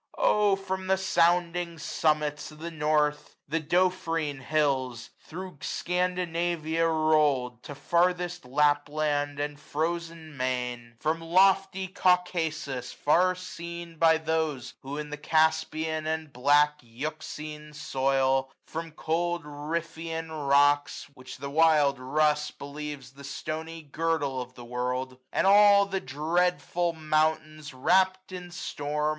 O from the sounding summits of the north, 785 The Dofrine Hills, thro' Scandinavia roU'd To farthest Lapland and the frozen main j AUTUMN. 151 From lofty Caucasus, far seen by those Who in the Caspian and black Euxine toil ; From cold Riphean Rocks, which the wild Russ 790 Believes the stony girdle of the world ; And all the dreadful mountains, wrapt in storm.